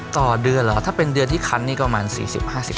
ต่อเดือนเหรอถ้าเป็นเดือนที่คันนี่ประมาณ๔๐๕๐